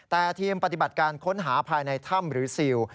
แต่ทีมปฏิบัติการค้นหาภายในถ้ำหรือซิล